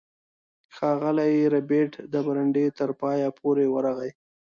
ښاغلی ربیټ د برنډې تر پایه پورې ورغی